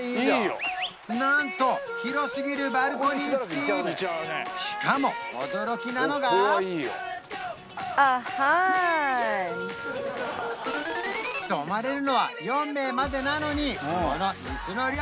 なんと広すぎるバルコニー付きしかも驚きなのが泊まれるのは４名までなのにこのイスの量！